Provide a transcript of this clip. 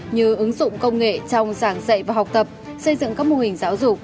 như ứng dụng công nghệ trong giảng dạy và học tập xây dựng các mô hình giáo dục